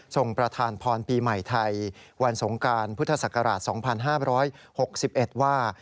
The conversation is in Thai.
ประธานพรปีใหม่ไทยวันสงการพุทธศักราช๒๕๖๑ว่า